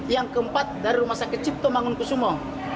yang keempat dari rumah sakit cipto mangun kusumo